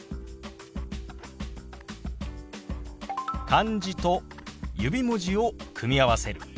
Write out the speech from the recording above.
漢字と指文字を組み合わせる。